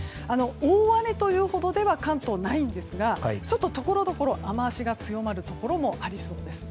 大雨というほどでは関東はないんですがところどころで雨脚が強まるところもありそうです。